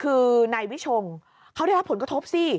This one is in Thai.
คือนายวิชงเขาได้รับผลกระทบสิ